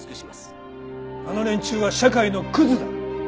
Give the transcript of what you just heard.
あの連中は社会のクズだ。